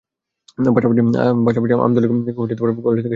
পাশাপাশি আমতলী কলেজ কেন্দ্রটি সাময়িক পটুয়াখালী মহিলা কলেজে স্থানান্তর করা হয়।